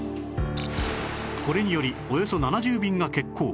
これによりおよそ７０便が欠航